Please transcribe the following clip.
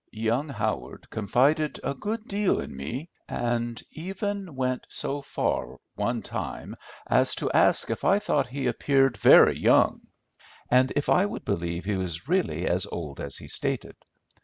Young Howard confided a good deal in me, and even went so far one time as to ask if I thought he appeared very young, and if I would believe he was really as old as he stated.